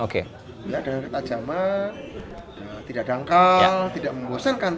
dengan ketajaman tidak dangkal tidak membosankan